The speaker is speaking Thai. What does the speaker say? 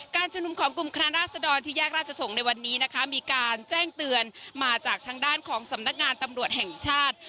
ชุมนุมของกลุ่มคณะราษฎรที่แยกราชถงในวันนี้นะคะมีการแจ้งเตือนมาจากทางด้านของสำนักงานตำรวจแห่งชาติ